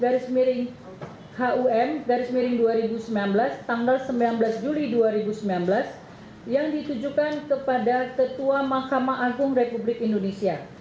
nomor lima puluh tujuh p hum dua ribu sembilan belas tanggal sembilan belas juli dua ribu sembilan belas yang ditujukan kepada ketua mahkamah agung republik indonesia